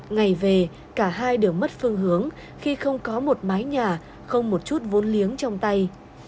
ngày về cả hai đều mất phương hướng khi không có một mái nhà không một chút vốn liếng trong tay